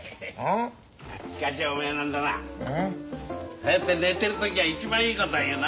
そうやって寝てる時が一番いいこと言うな。